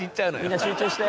みんな集中して！